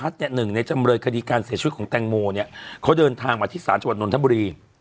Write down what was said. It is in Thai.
แตงโมเนี่ยเขาเดินทางมาที่ศาลจบันนทับบุรี